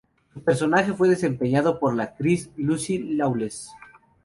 Su personaje fue desempeñado por la actriz Lucy Lawless.